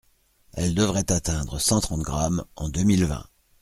Elle devrait atteindre cent trente grammes en deux mille vingt.